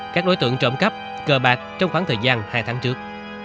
các đối tượng trộm cắp cờ bạc trong khoảng thời gian hai tháng trước